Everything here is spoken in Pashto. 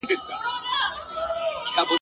په دې وطن کي دا څه قیامت دی !.